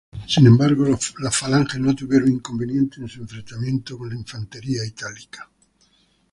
Sin embargo, las falanges no tuvieron inconvenientes en su enfrentamiento con la infantería itálica.